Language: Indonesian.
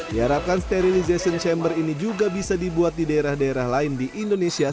diharapkan sterilization chamber ini juga bisa dibuat di daerah daerah lain di indonesia